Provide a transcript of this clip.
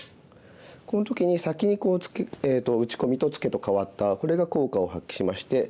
この時に先に打ち込みとツケと換わったこれが効果を発揮しまして。